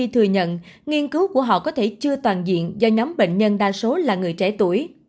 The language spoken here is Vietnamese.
thừa nhận nghiên cứu của họ có thể chưa toàn diện do nhóm bệnh nhân đa số là người trẻ tuổi